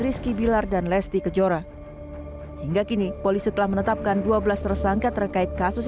rizky bilar dan lesti kejora hingga kini polisi telah menetapkan dua belas tersangka terkait kasus